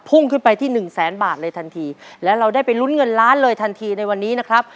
พุ่งขึ้นไปที่หนึ่งแสนบาทเลยทันทีและเราได้ไปลุ้นเงินล้านเลยทันทีในวันนี้นะครับ